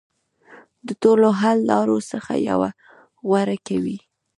د ټولو حل لارو څخه یوه غوره کوي.